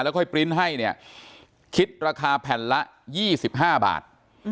แล้วก็ให้ปริ้นต์ให้เนี่ยคิดราคาแผ่นละ๒๕บาท